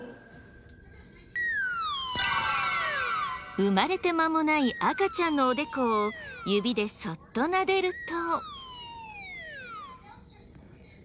生まれてまもない赤ちゃんのおでこを指でそっとなでると。